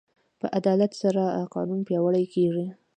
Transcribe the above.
په عدالت سره قانون پیاوړی کېږي.